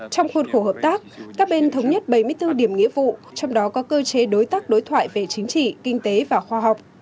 trong khuôn khổ hợp tác các bên thống nhất bảy mươi bốn điểm nghĩa vụ trong đó có cơ chế đối tác đối thoại về chính trị kinh tế và khoa học